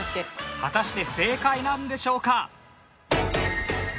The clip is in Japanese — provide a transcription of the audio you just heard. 果たして正解なんでしょうか？